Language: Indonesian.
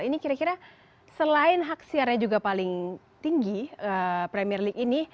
ini kira kira selain hak siarnya juga paling tinggi premier league ini